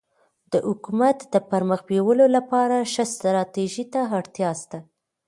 د حکومت د پرمخ بیولو لپاره ښه ستراتيژي ته اړتیا سته.